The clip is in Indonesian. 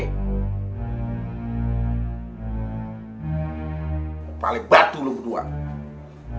kepale batu lo berdua